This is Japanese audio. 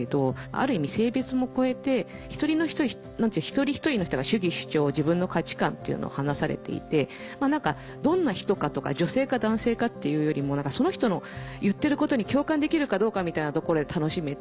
ある意味性別も超えて一人一人の人が主義主張自分の価値観っていうのを話されていてどんな人かとか女性か男性かっていうよりもその人の言ってることに共感できるかどうかみたいなところで楽しめて。